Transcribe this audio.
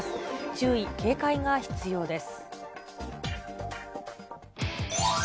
注意、警戒が必要です。